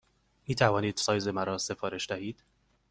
می توانید سایز مرا سفارش دهید؟